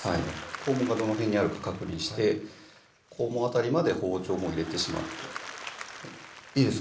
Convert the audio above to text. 肛門がどの辺にあるか確認して肛門辺りまで包丁も入れてしまっていいですか？